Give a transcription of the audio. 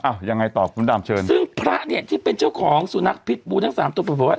ยังไงต่อคุณดำเชิญซึ่งพระเนี่ยที่เป็นเจ้าของสุนัขพิษบูทั้งสามตัวปรากฏว่า